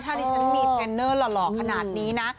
ถ้าดิฉันมีเทรนเนอร์หล่อขนาดนี้นะ